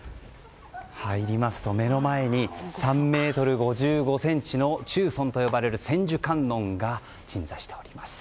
入りますと目の前に３ｍ５５ｃｍの中尊といわれる千手観音が鎮座しております。